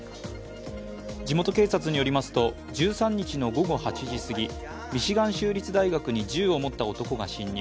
地元警察によりますと、１３日の午後８時すぎミシガン州立大学に銃を持った男が侵入。